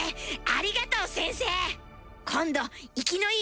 ありがとう先生！